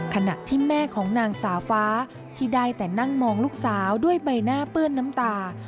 ขณะที่แม่ของนางสาวฟ้าที่ได้แต่นั่งมองลูกสาวด้วยใบหน้าเปื้อนน้ำตา